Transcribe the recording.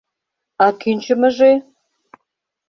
— А кӱнчымыжӧ?..